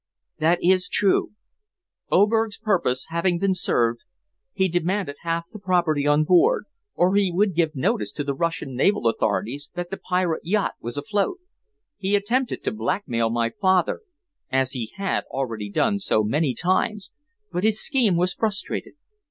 "That is true. Oberg's purpose having been served, he demanded half the property on board, or he would give notice to the Russian naval authorities that the pirate yacht was afloat. He attempted to blackmail my father, as he had already done so many times, but his scheme was frustrated.